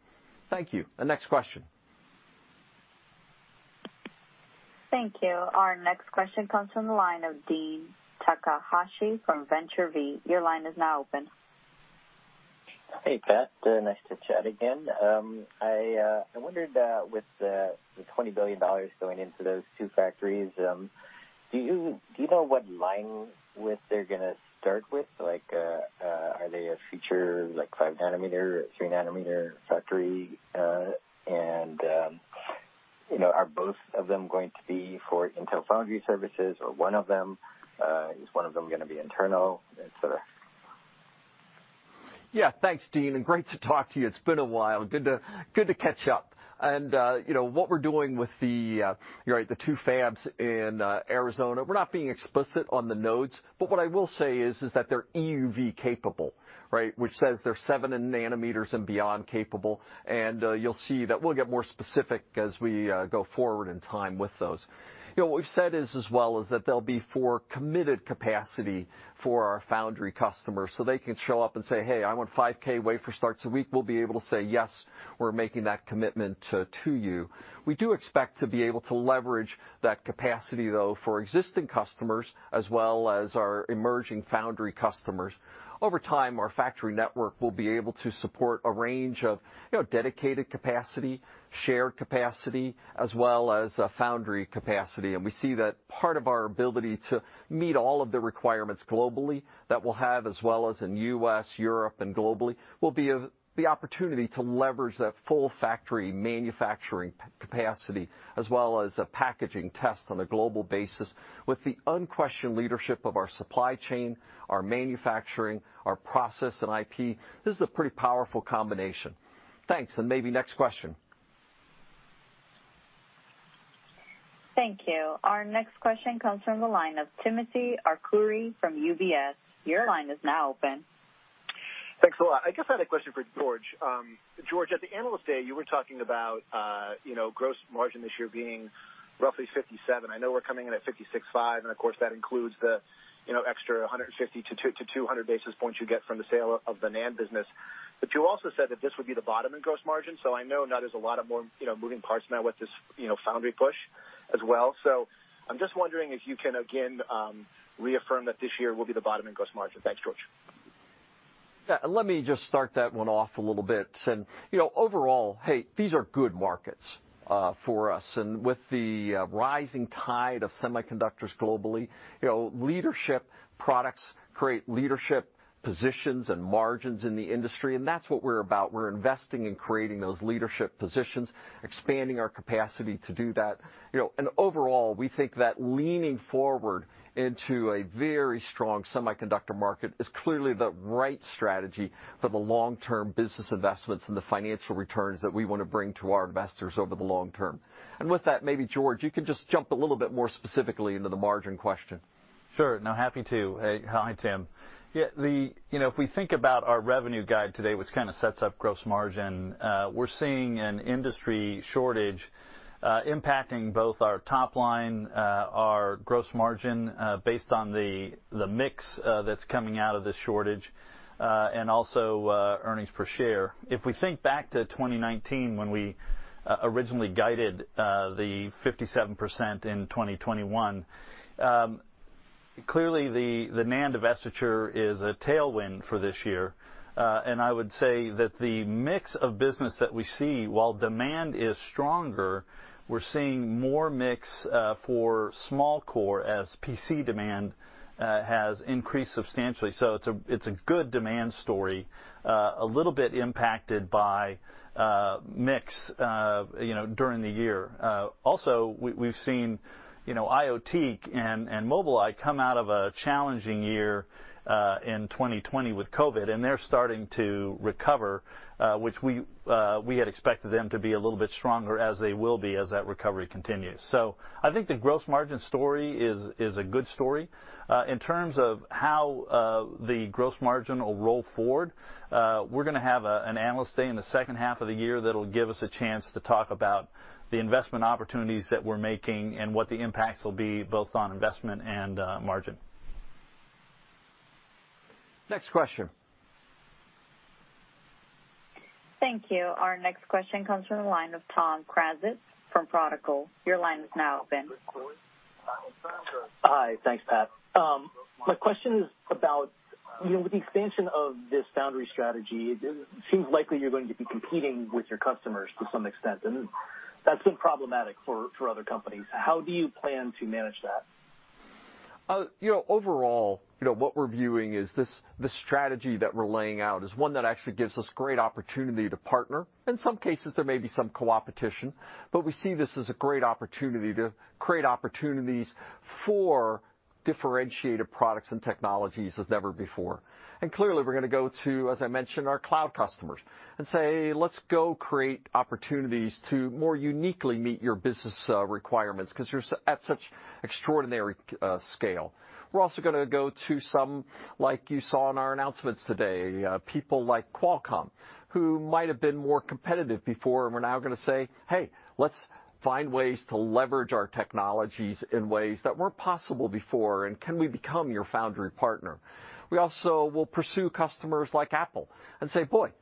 Thank you. The next question. Thank you. Our next question comes from the line of Dean Takahashi from VentureBeat. Your line is now open. Hey, Pat. Nice to chat again. I wondered, with the $20 billion going into those two factories, do you know what line width they're going to start with? Are they a feature, like 5-nanometer or 3-nanometer factory? Are both of them going to be for Intel Foundry Services, or is one of them going to be internal, et cetera? Thanks, Dean, and great to talk to you. It's been a while. Good to catch up. What we're doing with the two fabs in Arizona, we're not being explicit on the nodes, but what I will say is that they're EUV capable. Which says they're seven nanometers and beyond capable, you'll see that we'll get more specific as we go forward in time with those. What we've said as well is that they'll be for committed capacity for our foundry customers, so they can show up and say, "Hey, I want 5K wafer starts a week." We'll be able to say, "Yes, we're making that commitment to you." We do expect to be able to leverage that capacity, though, for existing customers, as well as our emerging foundry customers. Over time, our factory network will be able to support a range of dedicated capacity, shared capacity, as well as foundry capacity. We see that part of our ability to meet all of the requirements globally that we'll have, as well as in U.S., Europe, and globally, will be the opportunity to leverage that full factory manufacturing capacity, as well as a packaging test on a global basis with the unquestioned leadership of our supply chain, our manufacturing, our process, and IP. This is a pretty powerful combination. Thanks, and maybe next question. Thank you. Our next question comes from the line of Timothy Arcuri from UBS. Your line is now open. Thanks a lot. I guess I had a question for George. George, at the Analyst Day, you were talking about gross margin this year being roughly 57. I know we're coming in at 56.5, and of course, that includes the extra 150 to 200 basis points you get from the sale of the NAND business. You also said that this would be the bottom in gross margin. I know now there's a lot of more moving parts now with this foundry push as well. I'm just wondering if you can again reaffirm that this year will be the bottom in gross margin. Thanks, George. Yeah, let me just start that one off a little bit. Overall, hey, these are good markets for us. With the rising tide of semiconductors globally, leadership products create leadership positions and margins in the industry, and that's what we're about. We're investing in creating those leadership positions, expanding our capacity to do that. Overall, we think that leaning forward into a very strong semiconductor market is clearly the right strategy for the long-term business investments and the financial returns that we want to bring to our investors over the long term. With that, maybe George, you can just jump a little bit more specifically into the margin question. Sure. No, happy to. Hi, Tim. If we think about our revenue guide today, which kind of sets up gross margin, we're seeing an industry shortage impacting both our top line, our gross margin, based on the mix that's coming out of the shortage, and also earnings per share. If we think back to 2019, when we originally guided the 57% in 2021, clearly the NAND divestiture is a tailwind for this year. I would say that the mix of business that we see, while demand is stronger, we're seeing more mix for small core as PC demand has increased substantially. It's a good demand story, a little bit impacted by mix during the year. We've seen IoT and Mobileye come out of a challenging year in 2020 with COVID, and they're starting to recover, which we had expected them to be a little bit stronger as they will be as that recovery continues. I think the gross margin story is a good story. In terms of how the gross margin will roll forward, we're going to have an Analyst Day in the second half of the year that'll give us a chance to talk about the investment opportunities that we're making and what the impacts will be both on investment and margin. Next question. Thank you. Our next question comes from the line of Tom Krazit from Protocol. Your line is now open. Hi. Thanks, Pat. My question is about with the expansion of this foundry strategy. It seems likely you're going to be competing with your customers to some extent, and that's been problematic for other companies. How do you plan to manage that? Overall, what we're viewing is this strategy that we're laying out is one that actually gives us great opportunity to partner. In some cases, there may be some co-opetition, but we see this as a great opportunity to create opportunities for differentiated products and technologies as never before. Clearly, we're going to go to, as I mentioned, our cloud customers and say, "Let's go create opportunities to more uniquely meet your business requirements, because you're at such extraordinary scale." We're also going to go to some, like you saw in our announcements today, people like Qualcomm, who might have been more competitive before, and we're now going to say, "Hey, let's find ways to leverage our technologies in ways that weren't possible before, and can we become your foundry partner?" We also will pursue customers like Apple and say, "Boy,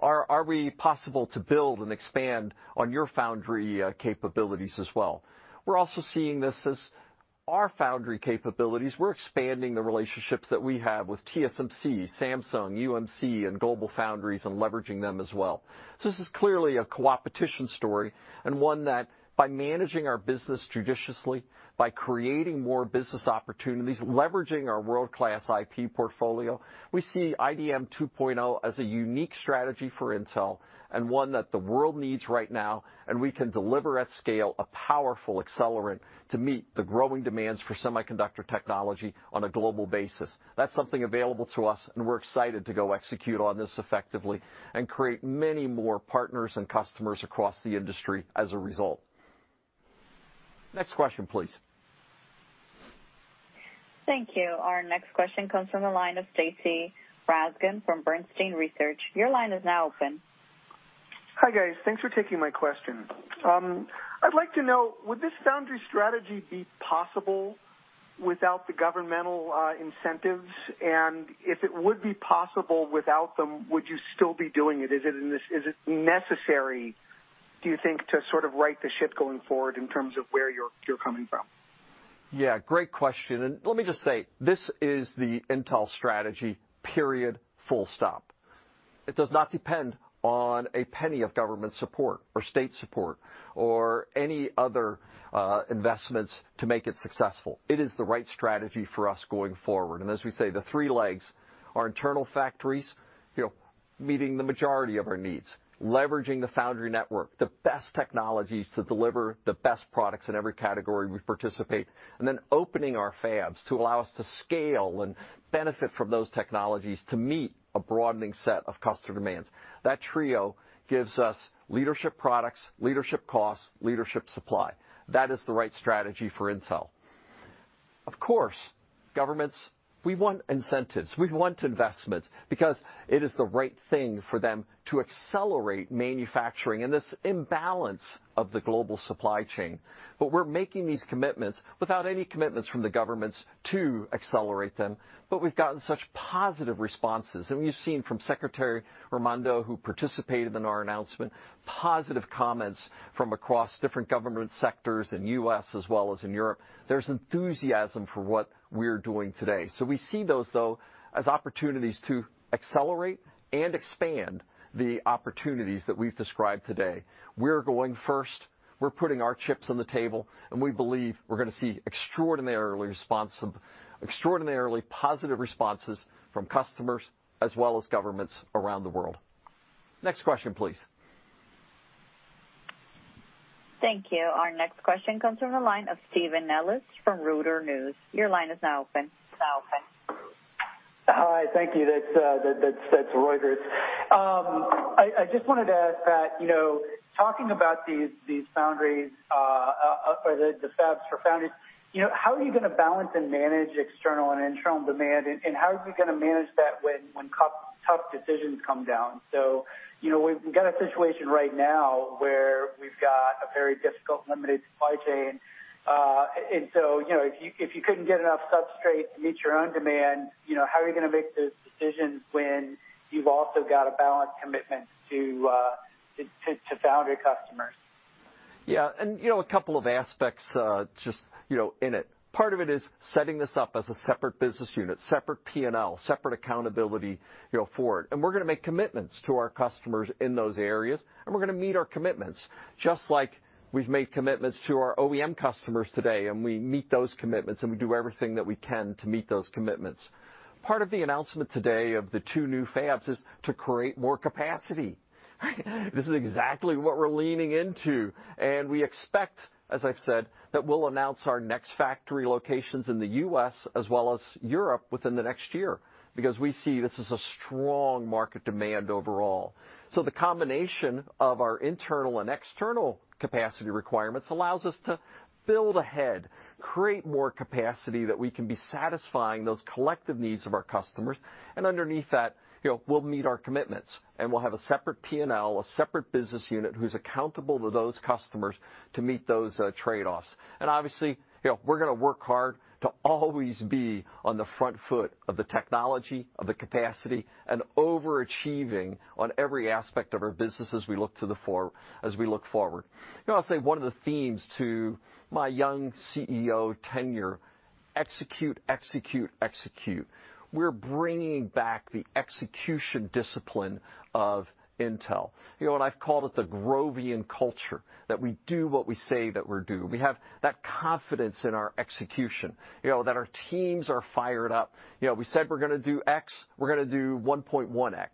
are we possible to build and expand on your foundry capabilities as well?" We're also seeing this as our foundry capabilities. We're expanding the relationships that we have with TSMC, Samsung, UMC, and GlobalFoundries and leveraging them as well. This is clearly a co-opetition story and one that, by managing our business judiciously, by creating more business opportunities, leveraging our world-class IP portfolio, we see IDM 2.0 as a unique strategy for Intel and one that the world needs right now. We can deliver at scale a powerful accelerant to meet the growing demands for semiconductor technology on a global basis. That's something available to us, and we're excited to go execute on this effectively and create many more partners and customers across the industry as a result. Next question, please. Thank you. Our next question comes from the line of Stacy Rasgon from Bernstein Research. Your line is now open. Hi, guys. Thanks for taking my question. I'd like to know, would this foundry strategy be possible without the governmental incentives? If it would be possible without them, would you still be doing it? Is it necessary, do you think, to sort of right the ship going forward in terms of where you're coming from? Yeah. Great question. Let me just say, this is the Intel strategy, period, full stop. It does not depend on a penny of government support or state support, or any other investments to make it successful. It is the right strategy for us going forward. As we say, the three legs are internal factories meeting the majority of our needs, leveraging the foundry network, the best technologies to deliver the best products in every category we participate, and then opening our fabs to allow us to scale and benefit from those technologies to meet a broadening set of customer demands. That trio gives us leadership products, leadership costs, leadership supply. That is the right strategy for Intel. Of course, governments, we want incentives. We want investments because it is the right thing for them to accelerate manufacturing, and this imbalance of the global supply chain. We're making these commitments without any commitments from the governments to accelerate them. We've gotten such positive responses, and we've seen from Secretary Raimondo, who participated in our announcement, positive comments from across different government sectors in U.S. as well as in Europe. There's enthusiasm for what we're doing today. We see those, though, as opportunities to accelerate and expand the opportunities that we've described today. We're going first. We're putting our chips on the table, and we believe we're going to see extraordinarily positive responses from customers as well as governments around the world. Next question, please. Thank you. Our next question comes from the line of Stephen Nellis from Reuters News. Your line is now open. Hi. Thank you. That's Reuters. I just wanted to ask that, talking about these foundries or the fabs for foundries, how are you going to balance and manage external and internal demand, and how are you going to manage that when tough decisions come down? We've got a situation right now where we've got a very difficult limited supply chain, and so if you couldn't get enough substrate to meet your own demand, how are you going to make those decisions when you've also got to balance commitment to foundry customers? Yeah. A couple of aspects just in it. Part of it is setting this up as a separate business unit, separate P&L, separate accountability for it. We're going to make commitments to our customers in those areas, and we're going to meet our commitments, just like we've made commitments to our OEM customers today, and we meet those commitments, and we do everything that we can to meet those commitments. Part of the announcement today of the two new fabs is to create more capacity. This is exactly what we're leaning into. We expect, as I've said, that we'll announce our next factory locations in the U.S. as well as Europe within the next year because we see this as a strong market demand overall. The combination of our internal and external capacity requirements allows us to build ahead, create more capacity that we can be satisfying those collective needs of our customers. Underneath that, we'll meet our commitments, and we'll have a separate P&L, a separate business unit who's accountable to those customers to meet those trade-offs. Obviously, we're going to work hard to always be on the front foot of the technology, of the capacity, and overachieving on every aspect of our business as we look forward. I'll say one of the themes to my young CEO tenure. Execute. We're bringing back the execution discipline of Intel. I've called it the Grovian culture, that we do what we say that we'll do. We have that confidence in our execution that our teams are fired up. We said we're going to do X, we're going to do 1.1X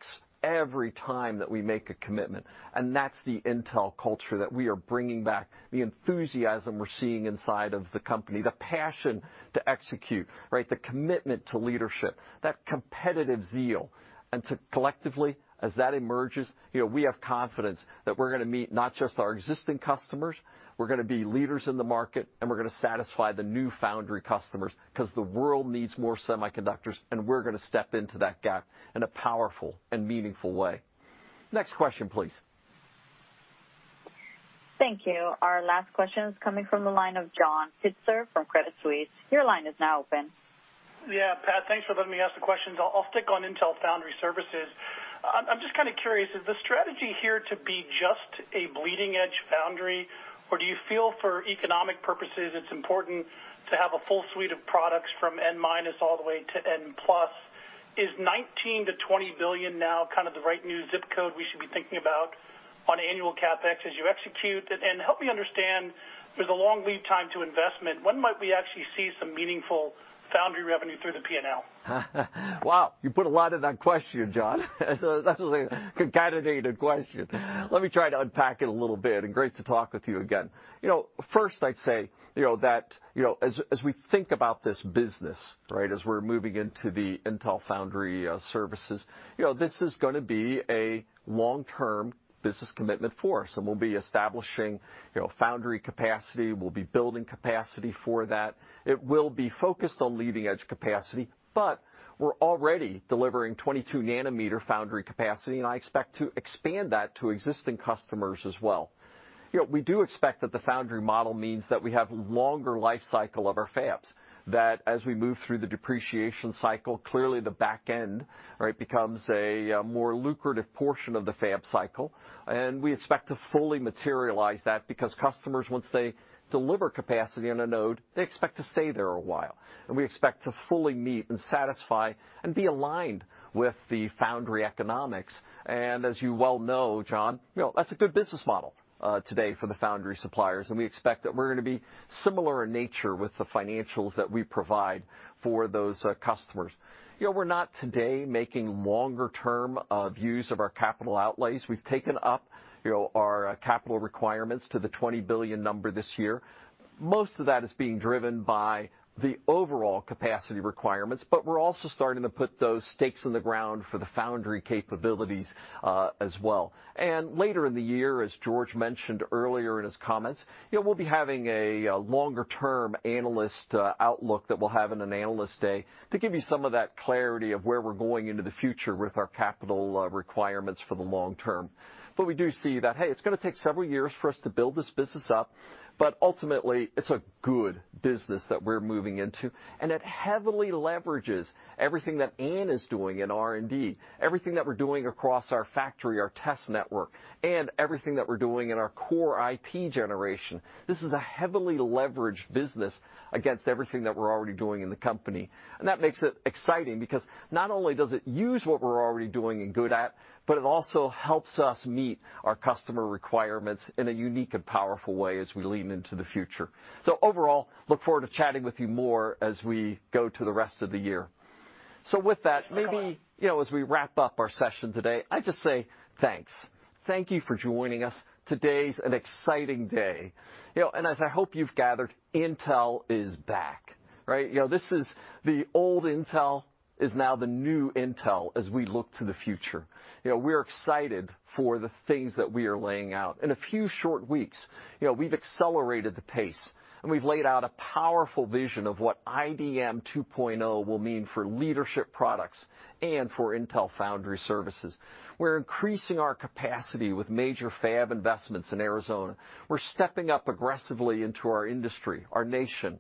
every time that we make a commitment. That's the Intel culture that we are bringing back, the enthusiasm we're seeing inside of the company, the passion to execute, right, the commitment to leadership, that competitive zeal. Collectively, as that emerges, we have confidence that we're going to meet not just our existing customers, we're going to be leaders in the market, and we're going to satisfy the new foundry customers because the world needs more semiconductors, and we're going to step into that gap in a powerful and meaningful way. Next question, please. Thank you. Our last question is coming from the line of John Pitzer from Credit Suisse. Your line is now open. Pat, thanks for letting me ask the questions. I'll stick on Intel Foundry Services. I'm just curious, is the strategy here to be just a bleeding-edge foundry, or do you feel, for economic purposes, it's important to have a full suite of products from N- all the way to N+? Is $19 billion-$20 billion now the right new ZIP code we should be thinking about on annual CapEx as you execute? Help me understand, with the long lead time to investment, when might we actually see some meaningful foundry revenue through the P&L? Wow. You put a lot in that question, John. That's a concatenated question. Let me try to unpack it a little bit. Great to talk with you again. First, I'd say that as we think about this business, right, as we're moving into the Intel Foundry Services, this is going to be a long-term business commitment for us. We'll be establishing foundry capacity, we'll be building capacity for that. It will be focused on leading-edge capacity. We're already delivering 22-nanometer foundry capacity. I expect to expand that to existing customers as well. We do expect that the foundry model means that we have longer life cycle of our fabs, that as we move through the depreciation cycle, clearly the back end, right, becomes a more lucrative portion of the fab cycle, and we expect to fully materialize that because customers, once they deliver capacity on a node, they expect to stay there a while. We expect to fully meet and satisfy, and be aligned with the foundry economics. As you well know, John, that's a good business model today for the foundry suppliers, and we expect that we're going to be similar in nature with the financials that we provide for those customers. We're not today making longer-term views of our capital outlays. We've taken up our capital requirements to the $20 billion number this year. Most of that is being driven by the overall capacity requirements, but we're also starting to put those stakes in the ground for the foundry capabilities as well. Later in the year, as George mentioned earlier in his comments, we'll be having a longer-term analyst outlook that we'll have in an Analyst Day to give you some of that clarity of where we're going into the future with our capital requirements for the long term. We do see that, hey, it's going to take several years for us to build this business up. Ultimately, it's a good business that we're moving into, and it heavily leverages everything that Ann is doing in R&D, everything that we're doing across our factory, our test network, and everything that we're doing in our core IP generation. This is a heavily leveraged business against everything that we're already doing in the company. That makes it exciting because not only does it use what we're already doing and good at, but it also helps us meet our customer requirements in a unique and powerful way as we lean into the future. Overall, look forward to chatting with you more as we go to the rest of the year. With that, maybe as we wrap up our session today, I'd just say thanks. Thank you for joining us. Today's an exciting day. As I hope you've gathered, Intel is back, right? The old Intel is now the new Intel as we look to the future. We're excited for the things that we are laying out. In a few short weeks, we've accelerated the pace. We've laid out a powerful vision of what IDM 2.0 will mean for leadership products and for Intel Foundry Services. We're increasing our capacity with major fab investments in Arizona. We're stepping up aggressively into our industry, our nation,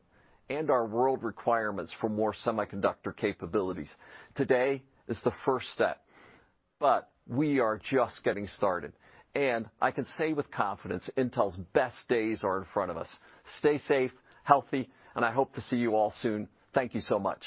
and our world requirements for more semiconductor capabilities. Today is the first step. We are just getting started. I can say with confidence, Intel's best days are in front of us. Stay safe, healthy, and I hope to see you all soon. Thank you so much.